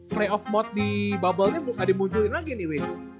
playoff mode di bubble nya nggak dimunculin lagi nih